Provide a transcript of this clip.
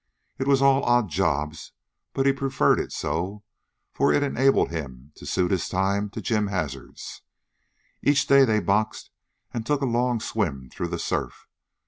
It was all odd jobs, but he preferred it so, for it enabled him to suit his time to Jim Hazard's. Each day they boxed and took a long swim through the surf.